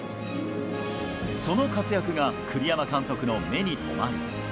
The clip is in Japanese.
その活躍が、栗山監督の目に留まり。